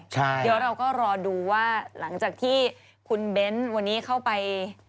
เดี๋ยวเราก็รอดูว่าหลังจากที่คุณเบ้นวันนี้เข้าไป